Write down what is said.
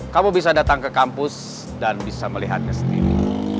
kamu bisa datang ke kampus dan bisa melihatnya sendiri